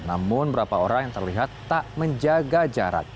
namun berapa orang yang terlihat tak menjaga jarak